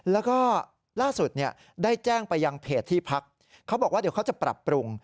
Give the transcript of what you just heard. แล้วก็ล่าสุดเนี่ยได้แจ้งไปยังเพจที่พักเขาบอกว่าเดี๋ยวเขาจะปรับปรุง